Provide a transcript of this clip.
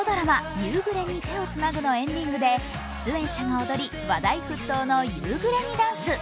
「夕暮れに、手をつなぐ」のエンディングで出演者が踊り、話題沸騰の夕暮れにダンス。